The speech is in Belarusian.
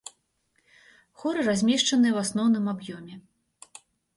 Хоры размешчаныя ў асноўным аб'ёме.